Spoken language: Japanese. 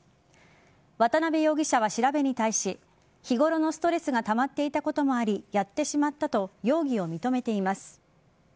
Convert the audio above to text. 渡辺容疑者は調べに対し日頃のストレスがたまっていたこともありやってしまったと容疑を認めています。